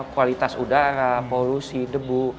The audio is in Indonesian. kualitas udara polusi debu